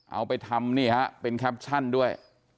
เอาไปทำนี่ฮะเป็นแคปชั่นด้วย